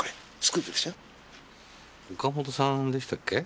岡本さんでしたっけ？